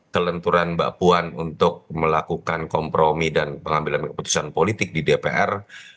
kelenturan mbak puan untuk melakukan kompromi dan pengambilan keputusan politik di dpr